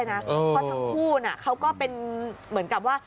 เพราะทั้งคู่เขาก็เป็นเหมือนกับว่า